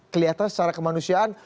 kelihatan secara kemanusiaan